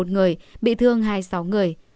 một mươi một người bị thương hai mươi sáu người